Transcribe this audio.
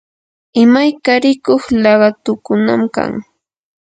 imayka rikuq laqatukunam kan.